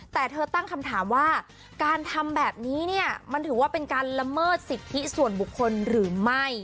แต่เธอตั้งคำถามว่าการทำแบบนี้เนี่ยมันถือว่าเป็นการละเมิดสิทธิส่วนบุคคลหรือไม่